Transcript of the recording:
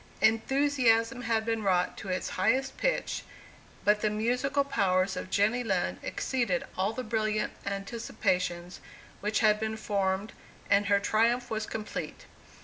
Enthusiasm had been wrought to its highest pitch, but the musical powers of Jenny Lind exceeded all the brilliant anticipations which had been formed, and her triumph was complete.